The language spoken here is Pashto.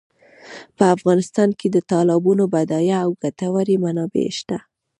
په افغانستان کې د تالابونو بډایه او ګټورې منابع شته.